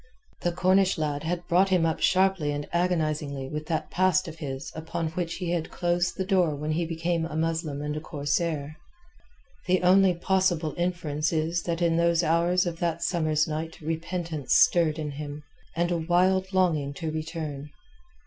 The Cornish lad had brought him up sharply and agonizingly with that past of his upon which he had closed the door when he became a Muslim and a corsair. The only possible inference is that in those hours of that summer's night repentance stirred in him, and a wild longing to return.